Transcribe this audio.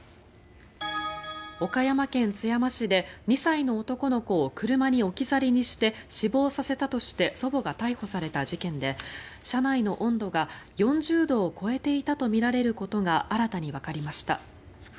岡山県津山市で２歳の男の子を車に置き去りにして死亡させたとして祖母が逮捕された事件で車内の温度が４０度を超えていたとみられることが新たにわかりました。